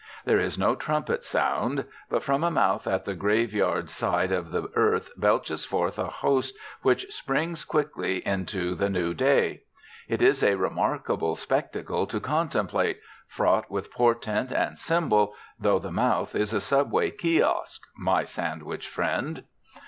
There is no trumpet sound. But from a mouth at the grave yard's side the earth belches forth a host which springs quick into the new day. It is a remarkable spectacle to contemplate, fraught with portent and symbol, though the mouth is a subway kiosk, my Sandwich friend.